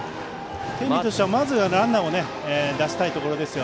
天理としてはまずランナーを出したいところ。